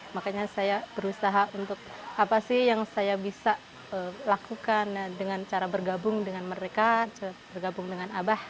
makanya saya berusaha untuk apa sih yang saya bisa lakukan dengan cara bergabung dengan mereka bergabung dengan abah